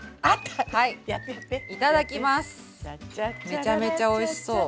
めちゃめちゃおいしそう。